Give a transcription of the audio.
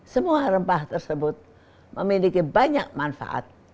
semua rempah tersebut memiliki banyak manfaat